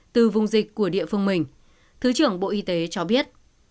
từ vùng dịch của địa phương mình thứ trưởng bộ y tế cho biết